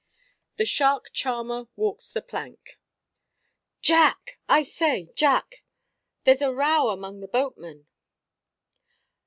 THE SHARK CHARMER WALKS THE PLANK. Jack! I say, Jack! there's a row among the boatmen."